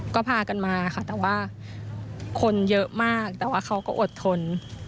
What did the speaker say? ก็พากันมาค่ะแต่ว่าคนเยอะมากแต่ว่าเขาก็อดทน